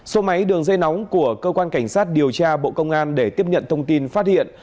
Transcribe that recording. số máy đường dây nóng của cơ quan cảnh sát điều tra bộ công an để tiếp nhận thông tin phát hiện